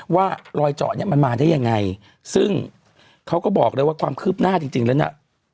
ว่ารอยเจาะเนี้ยมันมาได้ยังไงซึ่งเขาก็บอกเลยว่าความคืบหน้าจริงแล้วน่ะ